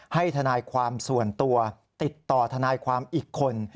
ทนายความส่วนตัวติดต่อทนายความอีกคน